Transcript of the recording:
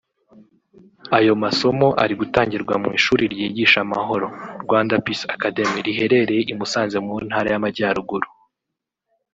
Ayo masomo ari gutangirwa mu ishuri ryigisha amahoro (Rwanda Peace Academy) riherereye i Musanze mu Ntara y’Amajyaruguru